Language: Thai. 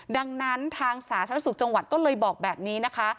ดังนั้นทางสาธารณสุขจังหวัดก็เลยบอกแบบนี้นะคะ